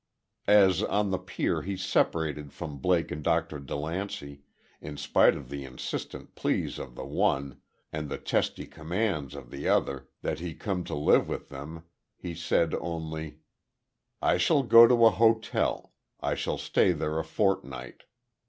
As, on the pier, he separated from Blake and Dr. DeLancey, in spite of the insistent pleas of the one, and the testy commands of the other, that he come to live with them. He said, only: "I shall go to a hotel. I shall stay there a fortnight.